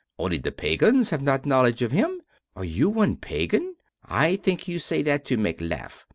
Only the pagans have not knowledge of him. Are you one pagan? I think you say that to make laugh.